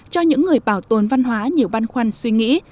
cho những người bảo tồn văn hóa nhiều băn khoăn suy nghĩ